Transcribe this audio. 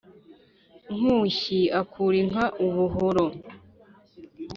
nkushyi akura inka ubuhoro,